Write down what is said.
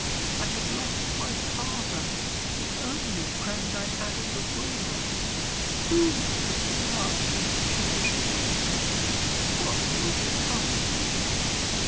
I have lost my father, the only friend I had in the world; who is there to love and to cherish me now? What will become of me!"